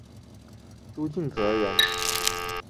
朱敬则人。